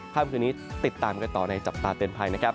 ค่ำคืนนี้ติดตามกันต่อในจับตาเตือนภัยนะครับ